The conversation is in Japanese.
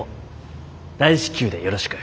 大至急でよろしく。